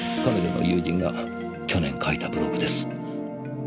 彼女の友人が去年書いたブログです。